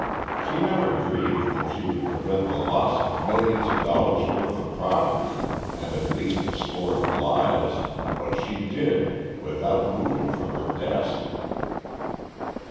She never dreamed that she would prevent the loss of millions of dollars' worth of property and at least a score of lives, but she did without moving from her desk."